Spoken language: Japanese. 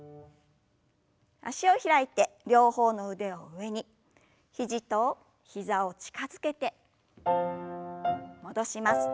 脚を開いて両方の腕を上に肘と膝を近づけて戻します。